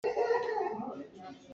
A ra i a kal colh.